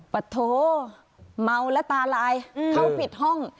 ปะโถเมาและตาลายเข้าปิดห้อง